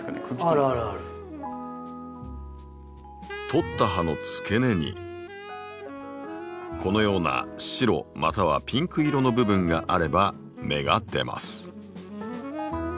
取った葉のつけ根にこのような白またはピンク色の部分があれば芽が出ます。